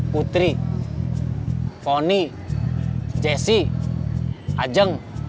putri foni jesse ajeng